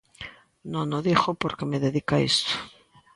Non o digo porque me dedique a isto.